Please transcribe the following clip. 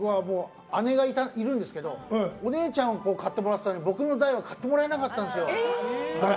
僕は姉がいるんですけどお姉ちゃん買ってもらってて僕の代は買ってもらえなかったんです。